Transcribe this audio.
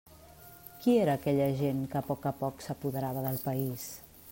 Qui era aquella gent que a poc a poc s'apoderava del país?